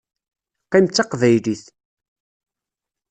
Qqim d Taqbaylit.